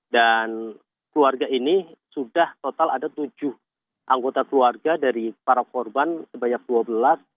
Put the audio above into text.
keluarga ini sudah total ada tujuh anggota keluarga dari para korban sebanyak dua belas orang